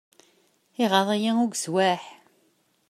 Iɣaḍ-iyi ugeswaḥ!